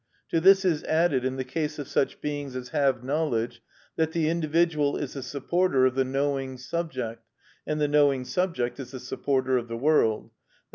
To this is added, in the case of such beings as have knowledge, that the individual is the supporter of the knowing subject, and the knowing subject is the supporter of the world, _i.